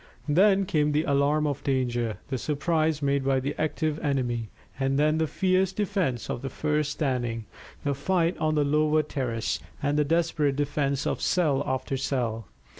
Then came the alarm of danger, the surprise made by the active enemy, and then the fierce defence of the first standing, the fight on the lower terrace, and the desperate defence of cell after cell.